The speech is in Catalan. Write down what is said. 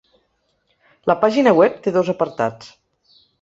La pàgina web té dos apartats.